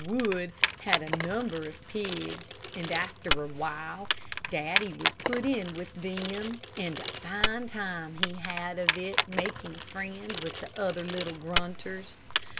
Wood had a number of pigs, and after a while Daddy was put in with them, and a fine time he had of it making friends with the other little grunters.